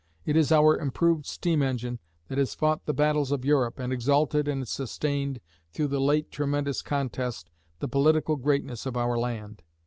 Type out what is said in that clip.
It is our improved steam engine that has fought the battles of Europe, and exalted and sustained, through the late tremendous contest, the political greatness of our land.